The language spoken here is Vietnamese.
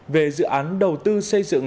về dự án đầu tư xây dựng